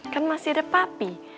kan masih ada papi